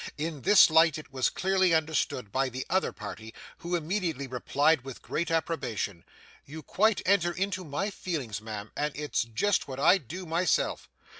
In this light it was clearly understood by the other party, who immediately replied with great approbation, 'You quite enter into my feelings, ma'am, and it's jist what I'd do myself.